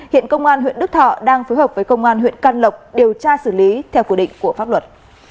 hiện công an huyện đức thọ đang phối hợp với công an huyện can lộc điều tra xử lý theo quy định của pháp luật